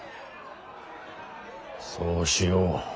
そうしよう。